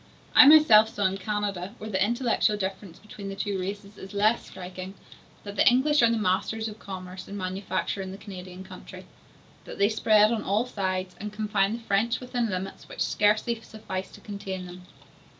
I myself saw in Canada, where the intellectual difference between the two races is less striking, that the English are the masters of commerce and manufacture in the Canadian country, that they spread on all sides, and confine the French within limits which scarcely suffice to contain them.